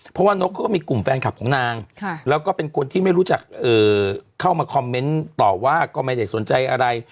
เพราะว่านกเขาก็มีกลุ่มแฟนคลับของนางแล้วก็เป็นคนที่ไม่รู้จักเข้ามาคอมเมนต์ต่อว่าก็ไม่ได้สนใจอะไร